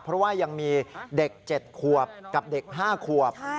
เพราะว่ายังมีเด็ก๗ขวบกับเด็ก๕ขวบ